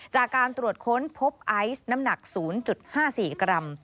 จากการตรวจค้นพบไอซ์น้ำหนัก๐๕๔กรัม